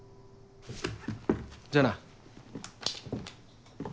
じゃあな。